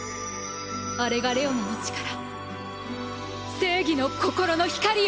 あれがレオナの力正義の心の光よ！